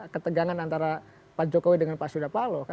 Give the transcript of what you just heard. ketegangan antara pak jokowi dengan pak surya palo